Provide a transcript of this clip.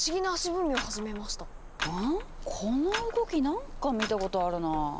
この動きなんか見たことあるなあ。